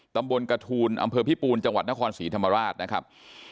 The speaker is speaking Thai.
ตำบลกระทูลอำเภอพิปูนจังหวัดนครศรีธรรมราชนะครับ